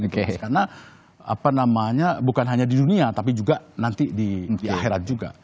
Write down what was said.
karena bukan hanya di dunia tapi juga nanti di akhirat juga